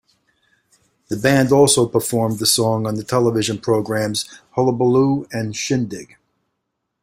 The band also performed the song on the television programs "Hullabaloo" and "Shindig!